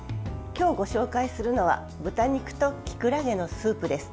今日ご紹介するのは豚肉ときくらげのスープです。